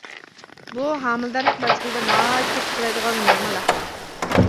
بۇ ھامىلىدارلىق مەزگىلىدە ناھايىتى كۆپ ئۇچرايدىغان نورمال ئەھۋال.